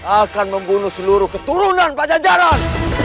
akan membunuh seluruh keturunan pajajaran